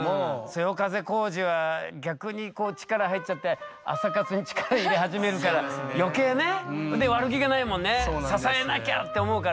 そよ風皓史は逆にこう力入っちゃって朝活に力入れ始めるから余計ねで悪気がないもんね支えなきゃって思うから。